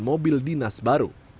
pembelian mobil dinas baru